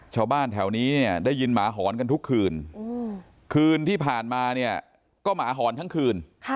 ชาวบ้านแถวนี้เนี่ยได้ยินหมาหอนกันทุกคืนคืนที่ผ่านมาเนี่ยก็หมาหอนทั้งคืน